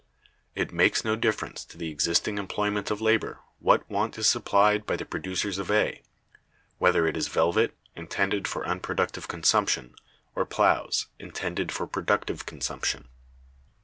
It makes no difference to the existing employment of labor what want is supplied by the producers of A, whether it is velvet (intended for unproductive consumption) or plows (intended for productive consumption).